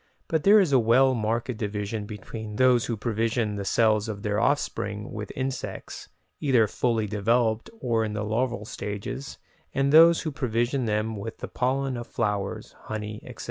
but there is a well marked division between those who provision the cells of their offspring with insects, either fully developed or in the larval stages, and those who provision them with the pollen of flowers, honey, etc.